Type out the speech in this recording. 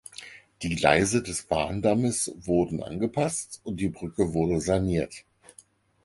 Die Gleise des Bahndammes wurden angepasst und die Brücke wurde saniert.